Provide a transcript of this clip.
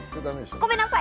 ごめんなさい。